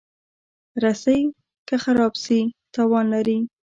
رسۍ که خراب شي، تاوان لري.